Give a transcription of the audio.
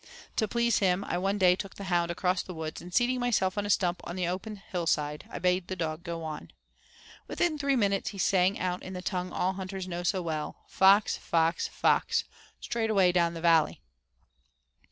To please him I one day took the hound across to the woods and seating myself on a stump on the open hillside, I bade the dog go on. Within three minutes he sang out in the tongue all hunters know so well, "Fox! fox! fox! straight away down the valley."